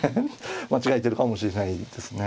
間違えてるかもしれないですね。